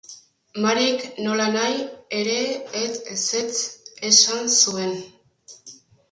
Maryk, nolanahi ere, ezetz esan zuen.